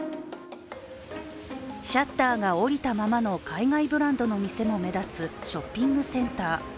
シャッターが下りたままの海外ブランドの店も目立つショッピングセンター。